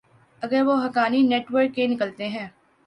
اگر وہ Haqqani network کے نکلتے ہیں۔